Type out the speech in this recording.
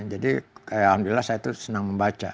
jadi alhamdulillah saya itu senang membaca